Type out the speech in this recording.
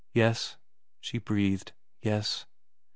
' Yes ' she breathed, * yes.'